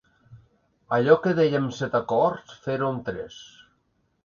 Allò que deia amb set acords, fer-ho amb tres.